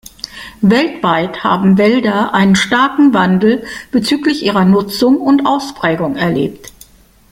Weltweit haben Wälder einen starken Wandel bezüglich ihrer Nutzung und Ausprägung erlebt.